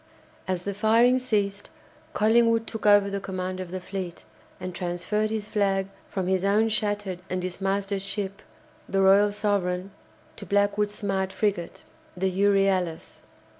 As the firing ceased, Collingwood took over the command of the fleet, and transferred his flag from his own shattered and dismasted ship, the "Royal Sovereign," to Blackwood's smart frigate, the "Euryalus."